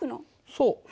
そう。